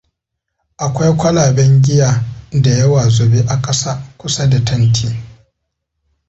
Akwai kwalaben giya da yawa zube a ƙasa kusa da tanti.